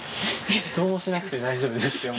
どうもしなくて大丈夫ですよ。